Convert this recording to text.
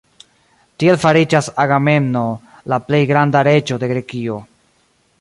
Tiel fariĝas Agamemno la plej granda reĝo de Grekio.